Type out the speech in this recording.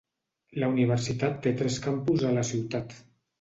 La universitat té tres campus a la ciutat.